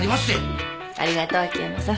ありがとう秋山さん。